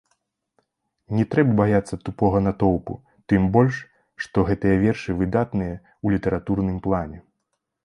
Не трэба баяцца тупога натоўпу, тым больш, што гэтыя вершы выдатныя ў літаратурным плане.